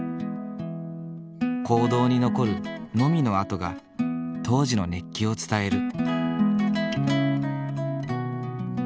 坑道に残るノミの跡が当時の熱気を伝える。